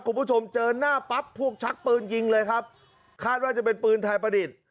คุณผู้ชมเจอหน้าปั๊บพวกชักปืนยิงเลยครับคาดว่าจะเป็นปืนไทยประดิษฐ์